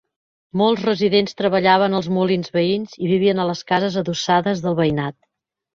Molts residents treballaven als molins veïns i vivien a les cases adossades del veïnat.